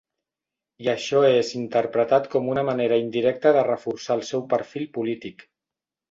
I això és interpretat com una manera indirecta de reforçar el seu perfil polític.